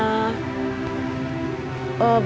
satu ketika dia berjudi sama